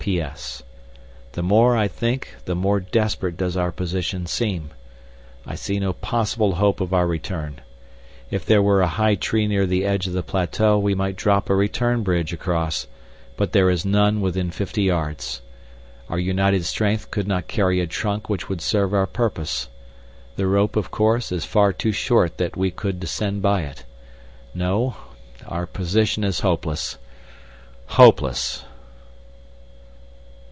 P.S. The more I think the more desperate does our position seem. I see no possible hope of our return. If there were a high tree near the edge of the plateau we might drop a return bridge across, but there is none within fifty yards. Our united strength could not carry a trunk which would serve our purpose. The rope, of course, is far too short that we could descend by it. No, our position is hopeless hopeless!